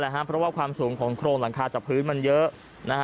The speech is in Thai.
เพราะว่าความสูงของโครงหลังคาจากพื้นมันเยอะ